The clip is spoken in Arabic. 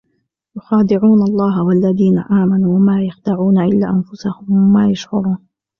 يُخَادِعُونَ اللَّهَ وَالَّذِينَ آمَنُوا وَمَا يَخْدَعُونَ إِلَّا أَنفُسَهُمْ وَمَا يَشْعُرُونَ